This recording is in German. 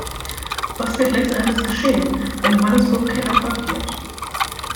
Was wird letztendlich geschehen, wenn Johannesburg kein Erfolg wird?